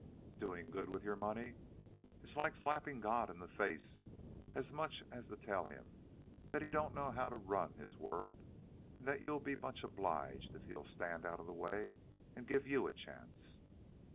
"Doing good with your money! It's like slapping God in the face, as much as to tell him that he don't know how to run his world and that you'll be much obliged if he'll stand out of the way and give you a chance.